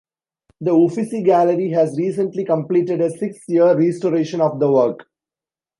The Uffizi Gallery has recently completed a six year restoration of the work.